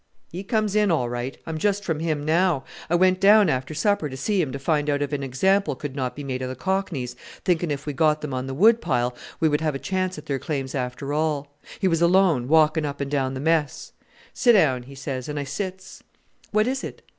"He comes in all right. I'm just from him now. I went down after supper to see him to find out if an example could not be made of the cockneys thinking if we got them on the wood pile we would have a chance at their claims after all. He was alone, walking up and down the mess. 'Sit down,' he says, and I sits. 'What is it?'